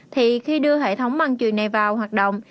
thì khi đưa hệ thống băng chuyển này vào hoạt động